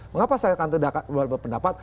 mengapa saya akan tidak mendapat pendapat